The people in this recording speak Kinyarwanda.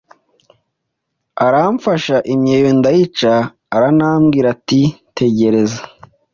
arapfasha imyeyo ndayica aranambwira ati tegereza